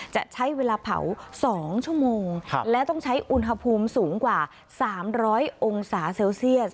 จะใช้เวลาเผา๒ชั่วโมงและต้องใช้อุณหภูมิสูงกว่า๓๐๐องศาเซลเซียส